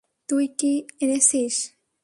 তুই কি এনেছিস?